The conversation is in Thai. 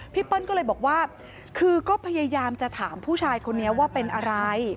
เปิ้ลก็เลยบอกว่าคือก็พยายามจะถามผู้ชายคนนี้ว่าเป็นอะไร